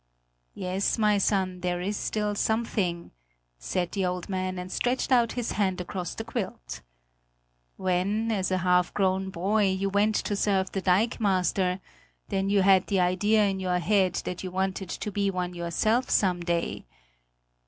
"Yes, my son, there is still something," said the old man and stretched out his hands across the quilt. "When, as a half grown boy, you went to serve the dikemaster, then you had the idea in your head that you wanted to be one yourself some day.